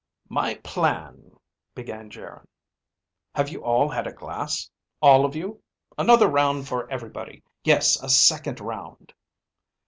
"My plan ..." began Geryn. "Have you all had a glass? All of you? Another round for everybody. Yes, a second round!"